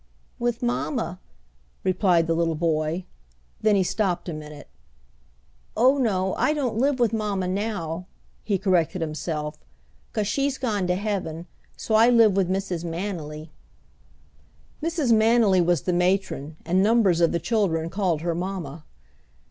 "With mamma," replied the little boy. Then he stopped a minute. "Oh, no; I don't live with mamma now," he corrected himself, "'cause she's gone to heaven, so I live with Mrs. Manily." Mrs. Manily was the matron, and numbers of the children called her mamma.